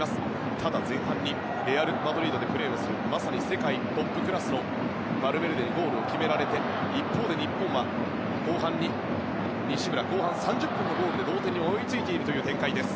ただ、前半にレアル・マドリードでプレーするまさに世界トップクラスのバルベルデにゴールを決められて一方で日本は後半３０分に西村のゴールで同点に追いついている展開です。